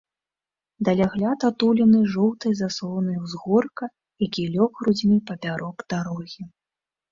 Далягляд атулены жоўтай заслонай узгорка, які лёг грудзьмі папярок дарогі.